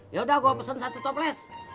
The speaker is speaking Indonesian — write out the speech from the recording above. yaudah gue pesen satu toples